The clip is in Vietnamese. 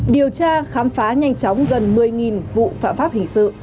điều tra khám phá nhanh chóng gần một mươi vụ phạm pháp hình sự